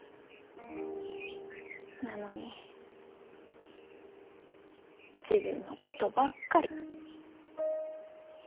なのに自分のことばっかり。